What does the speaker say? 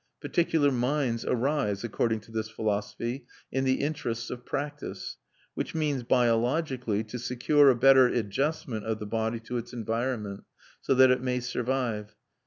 Particular minds arise, according to this philosophy, in the interests of practice: which means, biologically, to secure a better adjustment of the body to its environment, so that it may survive.